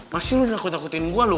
masih lu nakut nakutin gue lu